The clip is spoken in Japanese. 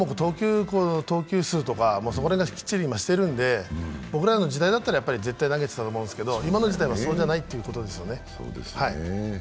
投球数とか、そこら辺、今、きっちりしてるんで僕らの時代だったら絶対投げていたと思うんですけど、今の時代はそうじゃないってことですよね。